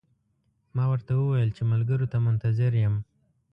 ما ورته وویل چې ملګرو ته منتظر یم.